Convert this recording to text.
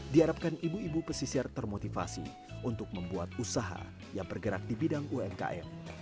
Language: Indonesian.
diharapkan ibu ibu pesisir termotivasi untuk membuat usaha yang bergerak di bidang umkm